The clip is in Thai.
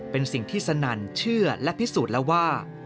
เป็นสิ่งที่สนั่นเชื่อและพิสูจน์แล้วว่า